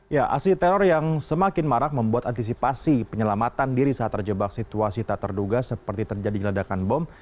ya aksi teror yang semakin marak membuat antisipasi penyelamatan diri saat terjebak situasi tak terduga seperti terjadi ledakan bom